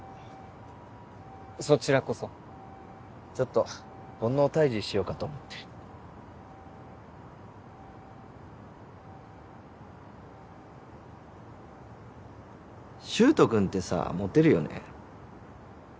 そちらこそちょっと煩悩を退治しようかと思って柊人君ってさモテるよね